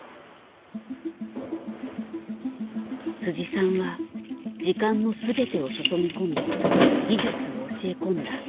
さんは時間の全てを注ぎ込み技術を教え込んだ。